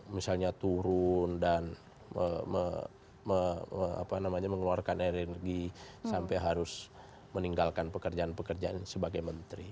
misalnya turun dan mengeluarkan energi sampai harus meninggalkan pekerjaan pekerjaan sebagai menteri